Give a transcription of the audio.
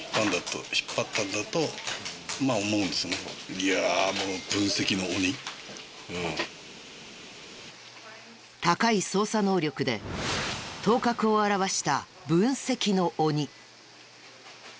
いやあもう高い捜査能力で頭角を現した分析の鬼。